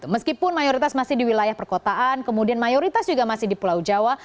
meskipun mayoritas masih di wilayah perkotaan kemudian mayoritas juga masih di pulau jawa